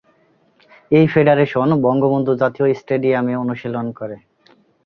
এই ফেডারেশন বঙ্গবন্ধু জাতীয় স্টেডিয়ামে অনুশীলন করে।